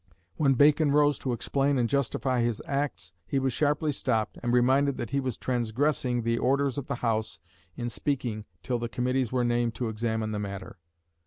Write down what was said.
When Bacon rose to explain and justify his acts he was sharply stopped, and reminded that he was transgressing the orders of the House in speaking till the Committees were named to examine the matter.